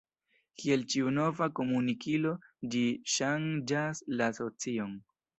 Kiel ĉiu nova komunikilo ĝi ŝanĝas la socion.